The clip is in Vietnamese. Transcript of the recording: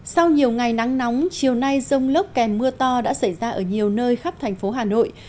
sau nhiều ngày nắng nóng chiều nay rông lốc kèm mưa to đã xảy ra ở nhiều nơi khắp thành phố hà nội